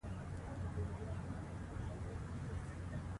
د خلکو غوښتنې بدلېږي